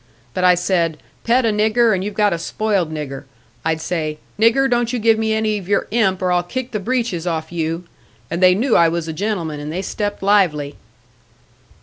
But I said, 'Pet a nigger, and you've got a spoiled nigger.' I'd say, 'Nigger, don't you give me any of your imp, or I'll kick the breeches off you.' And they knew I was a gentleman, and they stepped lively."